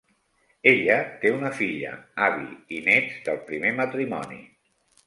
Ella té una filla, Abi, i nets del primer matrimoni.